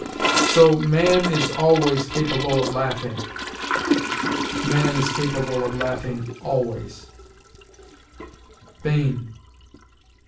So, 'man is always capable of laughing'; 'man is capable of laughing always.'" Bain.